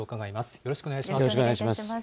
よろしくお願いします。